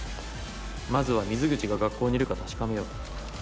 まずは水口が学校にいるか確かめよう。